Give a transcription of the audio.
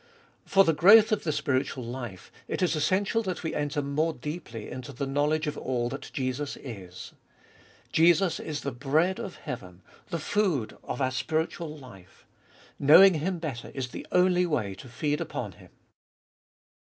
For the growth of the spiritual life it is essential that we enter more deeply into the knowledge of all that Jesus is. Jesus is the bread of heaven, the food of our spiritual life ; knowing Him better is the only way to feed upon Him.